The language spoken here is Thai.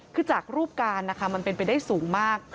คือจากรูปการณ์นะคะมันเป็นไปได้สูงมาก